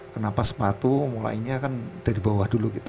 kenapa sepatu mulainya kan dari bawah dulu gitu